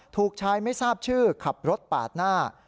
ถูกชายไม่ทราบชื่อขับรถปาดหน้า